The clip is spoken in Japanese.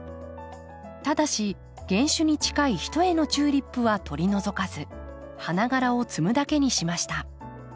ただし原種に近い一重のチューリップは取り除かず花がらを摘むだけにしました。